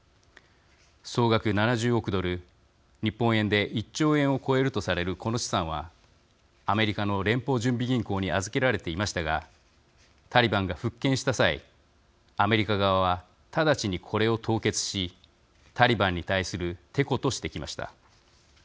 総額７０億ドル日本円で１兆円を超えるとされるこの資産はアメリカの連邦準備銀行に預けられていましたがタリバンが復権した際アメリカ側は直ちにこれを凍結しタリバンに対するてことしてきました。